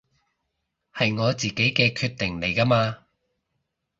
係我自己嘅決定嚟㗎嘛